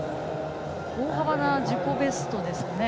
大幅な自己ベストですね。